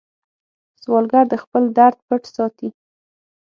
سوالګر د خپل درد پټ ساتي